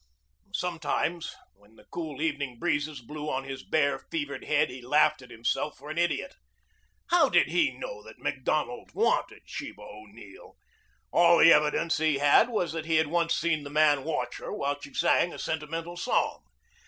Sometimes, when the cool, evening breezes blew on his bare, fevered head, he laughed at himself for an idiot. How did he know that Macdonald wanted Sheba O'Neill. All the evidence he had was that he had once seen the man watch her while she sang a sentimental song.